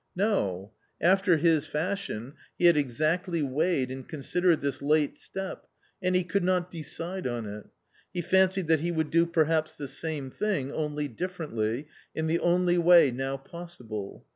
No, after his fashion he had exactly weighed and considered this late step, and he could not decide on it. He fancied that he would do per haps the same thing, only differently, in the only way now possible.